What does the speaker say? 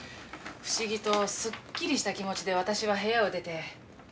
不思議とすっきりした気持ちで私は部屋を出て。